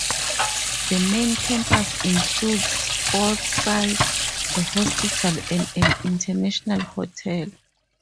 The main campus includes sport sites, a hospital, and an international hotel.